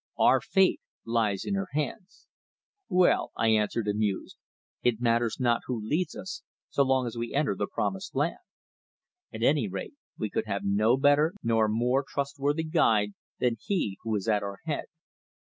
Our fate lies in her hands." "Well," I answered, amused, "it matters not who leads us so long as we enter the promised land. At any rate we could have no better nor more trustworthy guide than he who is at our head."